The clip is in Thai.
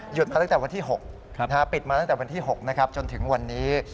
มาตั้งแต่วันที่๖ปิดมาตั้งแต่วันที่๖นะครับจนถึงวันนี้